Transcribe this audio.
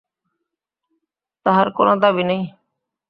তাহার কোনো দাবি নাই।